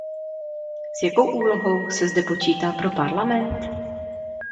S jakou úlohou se zde počítá pro Parlament?